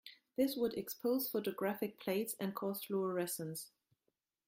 This would expose photographic plates and cause fluorescence.